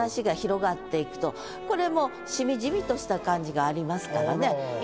これもしみじみとした感じがありますからね。